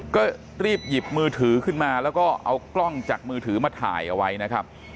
ก็รีบหยิบมือถือขึ้นมาแล้วก็เอากล้องจากมือถือมาถ่ายเอาไว้นะครับ